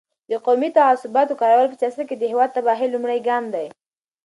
د قومي تعصباتو کارول په سیاست کې د هېواد د تباهۍ لومړی ګام دی.